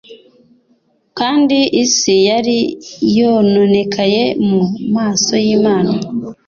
Kandi Isi Yari Yononekaye Mu Maso Y Imana